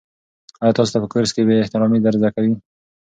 آیا تاسو ته په کورس کې بې احترامي در زده کوي؟